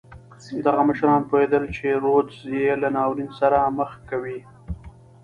دغه مشران پوهېدل چې رودز یې له ناورین سره مخ کوي.